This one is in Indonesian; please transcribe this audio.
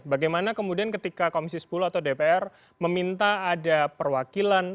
bagaimana kemudian ketika komisi sepuluh atau dpr meminta ada perwakilan